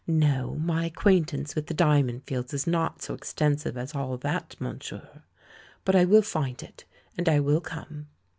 No, my ac quaintance with the Diamond Fields is not so extensive as all that, monsieur! But I will find it, and I will come."